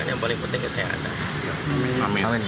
yang paling penting kesehatan